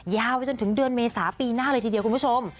ยาวไปจนถึงเดือนเมษาปีหน้าเลยทีเดียวคุณผู้ชม